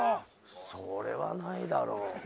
それはないだろう。